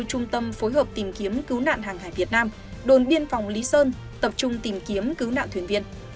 trung tâm phối hợp tìm kiếm cứu nạn hàng hải việt nam đồn biên phòng lý sơn tập trung tìm kiếm cứu nạn thuyền viên